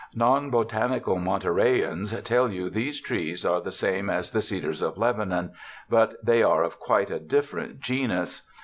Non botanical Montereyans tell you these trees are the same as the cedars of Lebanon, but they are of quite a different genus.